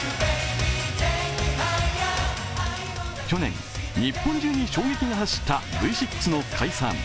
去年、日本中に衝撃が走ったＶ６の解散。